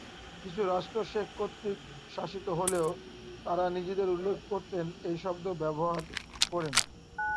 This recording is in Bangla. কিছু রাষ্ট্র শেখ কর্তৃক শাসিত হলেও তারা নিজেদের উল্লেখ করতে এই শব্দ ব্যবহার করে না।